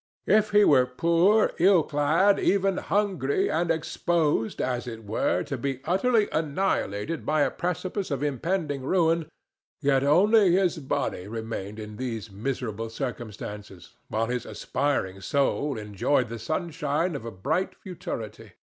If he were poor, ill clad, even hungry and exposed, as it were, to be utterly annihilated by a precipice of impending ruin, yet only his body remained in these miserable circumstances, while his aspiring soul enjoyed the sunshine of a bright futurity.